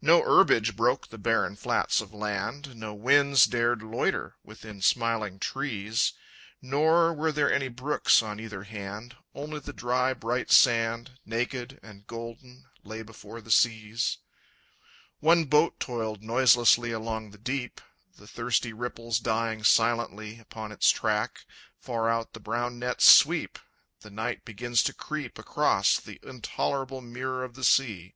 No herbage broke the barren flats of land, No winds dared loiter within smiling trees, Nor were there any brooks on either hand, Only the dry, bright sand, Naked and golden, lay before the seas. One boat toiled noiselessly along the deep, The thirsty ripples dying silently Upon its track. Far out the brown nets sweep, And night begins to creep Across the intolerable mirror of the sea.